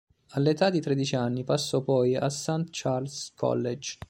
All'età di tredici anni passò poi al St. Charles' College.